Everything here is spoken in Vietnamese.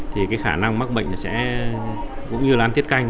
thì cái khả năng mắc bệnh nó sẽ cũng như là ăn thiết canh